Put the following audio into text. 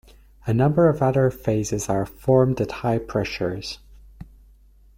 A number of other phases are formed at high pressures.